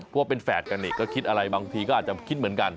ว่าเป็นแฝดกันนี่ก็คิดอะไรบางทีก็อาจจะคิดเหมือนกัน